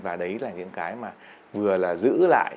và đấy là những cái mà vừa là giữ lại